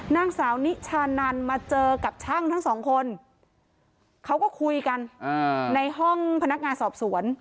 นางสาวนิชานันมาเจอกับช่างทั้งสองคนเขาก็คุยกันในห้องพนักงานสอบสวน